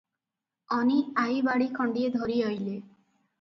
ଅନୀ ଆଈ ବାଡ଼ି ଖଣ୍ଡିଏ ଧରି ଅଇଲେ ।